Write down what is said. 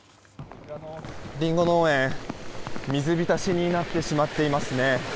リンゴ農園、水浸しになってしまっていますね。